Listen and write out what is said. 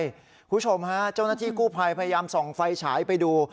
คุณผู้ชมฮะเจ้าหน้าที่กู้ภัยพยายามส่องไฟฉายไปดู